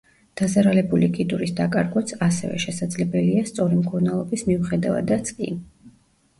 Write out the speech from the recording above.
დაზარალებული კიდურის დაკარგვაც ასევე შესაძლებელია სწორი მკურნალობის მიუხედავადაც კი.